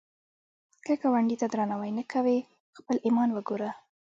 که ګاونډي ته درناوی نه کوې، خپل ایمان وګوره